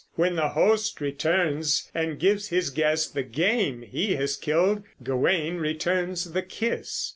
When the host returns and gives his guest the game he has killed Gawain returns the kiss.